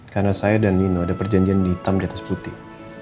karena saya dan nino ada perjanjian hitam di atas putih